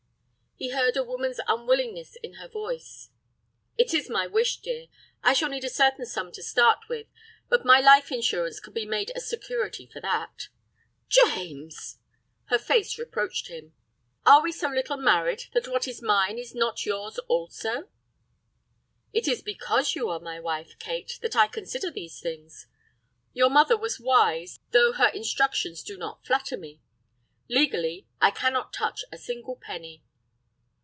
He heard a woman's unwillingness in her voice. "It is my wish, dear. I shall need a certain sum to start with, but my life insurance can be made a security for that." "James!" Her face reproached him. "Are we so little married that what is mine is not yours also?" "It is because you are my wife, Kate, that I consider these things. Your mother was wise, though her instructions do not flatter me. Legally, I cannot touch a single penny."